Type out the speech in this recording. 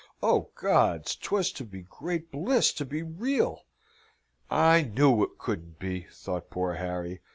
O Gods! 'twas too great bliss to be real! "I knew it couldn't be," thought poor Harry.